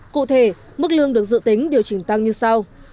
cụ thể mức lương được dự tính điều chỉnh tăng như sau